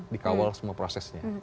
dikawal semua prosesnya